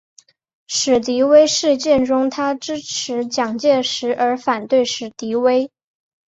史迪威事件中他支持蒋介石而反对史迪威。